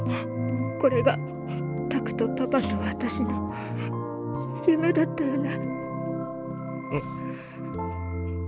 これが拓とパパと私の夢だったよね。